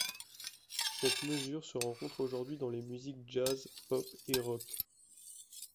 Cette mesure se rencontre aujourd'hui dans les musiques jazz, pop et rock.